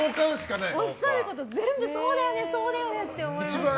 おっしゃること全部そうだよねって思いました。